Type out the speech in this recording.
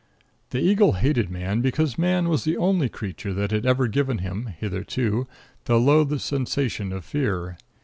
The eagle hated man, because man was the only creature that had ever given him, hitherto, the loathed sensation of fear.